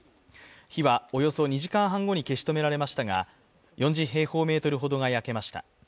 火はおよそ２時間半後に消し止められましたが４０平方メートルほどが焼けました。